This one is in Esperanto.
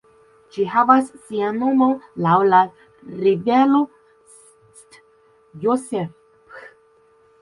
Ĝi havas sian nomon laŭ la rivero St. Joseph.